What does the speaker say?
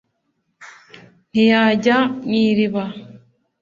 ntiyajya mw'iriba